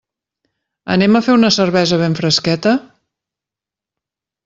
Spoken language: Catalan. Anem a fer una cervesa ben fresqueta?